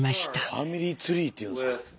ファミリーツリーって言うんですか。